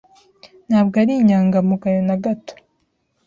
Ntabwo ari inyangamugayo na gato.